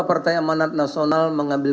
partai emanat nasional mengambil